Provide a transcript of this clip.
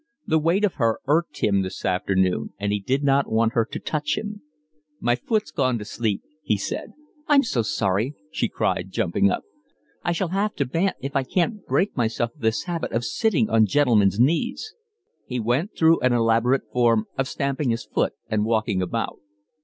The weight of her irked him this afternoon, and he did not want her to touch him. "My foot's gone to sleep," he said. "I'm so sorry," she cried, jumping up. "I shall have to bant if I can't break myself of this habit of sitting on gentlemen's knees." He went through an elaborate form of stamping his foot and walking about.